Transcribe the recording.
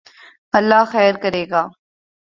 اللہ خیر کرے گا